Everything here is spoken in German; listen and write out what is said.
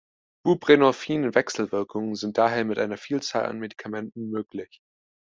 Buprenorphin-Wechselwirkungen sind daher mit einer Vielzahl an Medikamenten möglich.